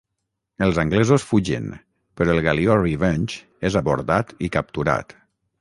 Els anglesos fugen però el galió Revenge és abordat i capturat.